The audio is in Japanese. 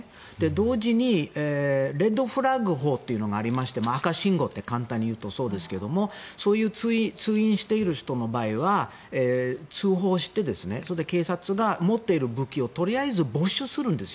同時に、レッドフラッグ法というのがありまして赤信号って簡単に言うとそうですがそういう通院している人の場合は通報してそれで警察が持っている武器をとりあえず没収するんです。